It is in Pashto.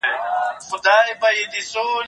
زه له سهاره کتابونه لوستل کوم،